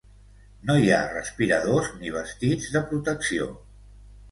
No hi ha respiradors ni vestits de protecció.